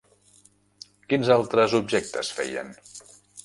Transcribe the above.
Quins altres objectes feien?